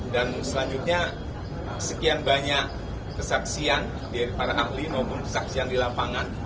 dan selanjutnya sekian banyak kesaksian daripada ahli maupun kesaksian di lapangan